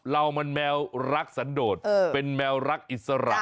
เรามันแมวรักสันโดดเป็นแมวรักอิสระ